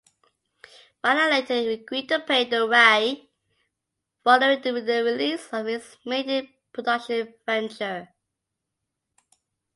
Bala later agreed to pay Durai following the release of his maiden production venture.